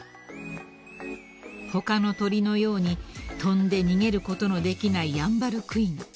［他の鳥のように飛んで逃げることのできないヤンバルクイナ］